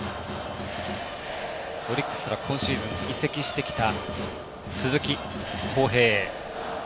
オリックスから今シーズン移籍してきた鈴木康平。